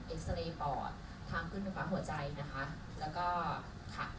เอสเรย์ปอดทางขึ้นหัวใจนะคะแล้วก็ค่ะ